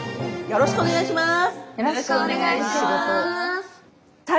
よろしくお願いします。